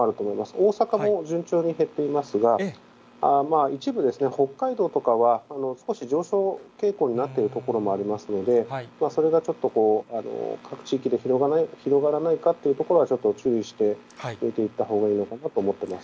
大阪も順調に減っていますが、一部、北海道とかは少し上昇傾向になっている所もありますので、それがちょっと、各地域で広がらないかというところは、ちょっと注意して見ていったほうがいいのかなと思っています。